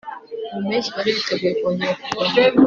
mu mpeshyi bari biteguye kongera kurwana